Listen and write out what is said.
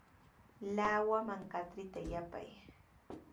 Lawaman katrita yapay.